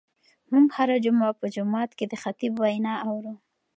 موږ هره جمعه په جومات کې د خطیب وینا اورو.